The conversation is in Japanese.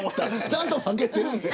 ちゃんと分けてるんだ。